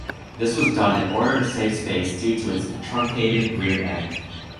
This was done in order to save space due to its truncated rear end.